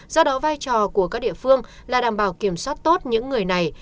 do đó vai trò của các địa phương là đảm bảo kiểm soát tốt những người này